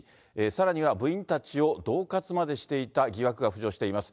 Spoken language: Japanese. さらには部員たちをどうかつまでしていた疑惑が浮上しています。